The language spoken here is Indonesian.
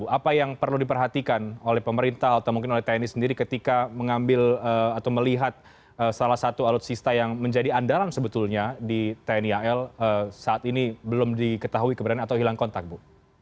apa yang perlu diperhatikan oleh pemerintah atau mungkin oleh tni sendiri ketika mengambil atau melihat salah satu alutsista yang menjadi andalan sebetulnya di tni al saat ini belum diketahui keberadaan atau hilang kontak bu